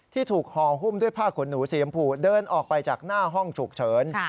ที่ถูกห่อหุ้มด้วยผ้าขนหนูสีชมพูเดินออกไปจากหน้าห้องฉุกเฉิน